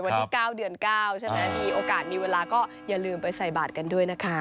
วันที่๙เดือน๙ใช่ไหมมีโอกาสมีเวลาก็อย่าลืมไปใส่บาทกันด้วยนะคะ